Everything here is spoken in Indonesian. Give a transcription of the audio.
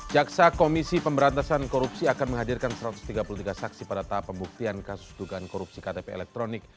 jaksa komisi pemberantasan korupsi akan menghadirkan satu ratus tiga puluh tiga saksi pada tahap pembuktian kasus dugaan korupsi ktp elektronik